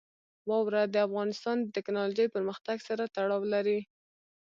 واوره د افغانستان د تکنالوژۍ پرمختګ سره تړاو لري.